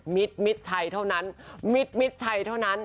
มิดมิดใช้เท่านั้นมิดมิดใช้เท่านั้น